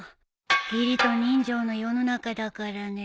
義理と人情の世の中だからね。